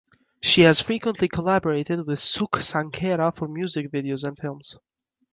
She has frequently collaborated with Sukh Sanghera for music videos and films.